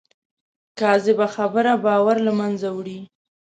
کاذبه خبره باور له منځه وړي